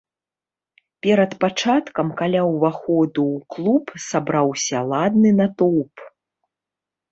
Перад пачаткам каля ўваходу ў клуб сабраўся ладны натоўп.